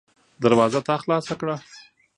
دروازه تا خلاصه کړه.